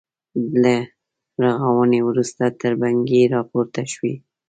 له رغاونې وروسته تربګنۍ راپورته شوې.